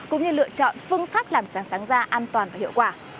cũng như lựa chọn phương pháp làm sáng da an toàn và hiệu quả